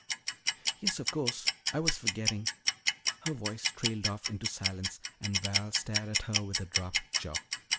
"Yes, of course, I was forgetting " her voice trailed off into silence and Val stared at her with a dropped jaw.